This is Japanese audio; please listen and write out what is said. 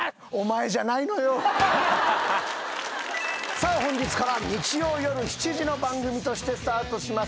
さあ本日から日曜夜７時の番組としてスタートします